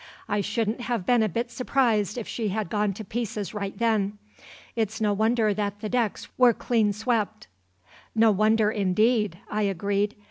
I shouldn't have been a bit surprised if she had gone to pieces right then. It's no wonder that the decks were clean swept." "No wonder, indeed," I agreed.